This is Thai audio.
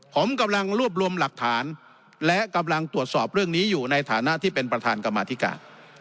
ผมกำลังรวบรวมหลักฐานและกำลังตรวจสอบเรื่องนี้อยู่ในฐานะที่เป็นประธานกรรมาธิการ